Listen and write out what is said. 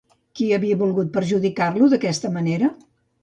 Qui havia volgut perjudicar-lo d'aquesta manera?